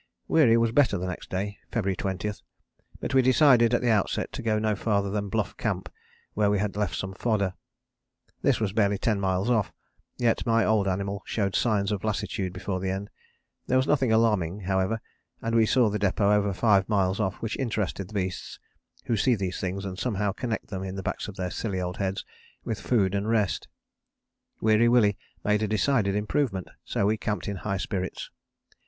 Weary was better the next day (February 20) but we decided at the outset to go no farther than the Bluff Camp where we had left some fodder. This was barely 10 miles off, yet my old animal showed signs of lassitude before the end; there was nothing alarming, however, and we saw the depôt over five miles off which interested the beasts, who see these things and somehow connect them, in the backs of their silly old heads, with food and rest. Weary Willie made a decided improvement, so we camped in high spirits.